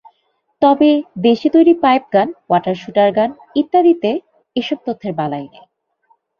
তবে দেশে তৈরি পাইপগান, ওয়ান শুটার গান ইত্যাদিতে এসব তথ্যের বালাই নেই।